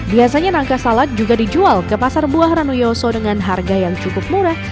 biasanya nangka salad juga dijual ke pasar buah ranuyoso dengan harga yang cukup murah